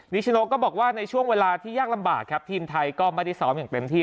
ชโนก็บอกว่าในช่วงเวลาที่ยากลำบากครับทีมไทยก็ไม่ได้ซ้อมอย่างเต็มที่